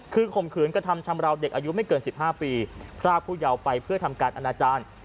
คือข่มขืนกระทำชำราวเด็กอายุไม่เกิน๑๕ปีพรากผู้เยาว์ไปเพื่อทำการอนาจารย์